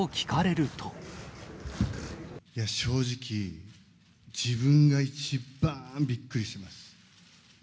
いや、正直、自分が一番びっくりしてます。